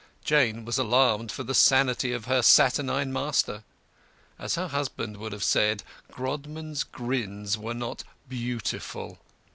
Jane was alarmed for the sanity of her saturnine master. As her husband would have said, Grodman's grins were not Beautiful.